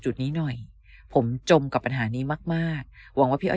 จุดนี้หน่อยผมจมกับปัญหานี้มากมากหวังว่าพี่อ้อย